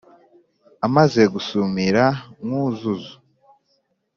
amaze gusumira nkuzuzu